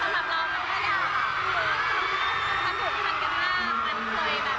แล้ววันไหนจะให้แบบเป็นเพื่อนกันโดยที่เห็นเพราะแบบในมุมมองเพื่อนมันก็ยาก